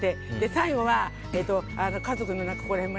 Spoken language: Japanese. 最後は、家族の。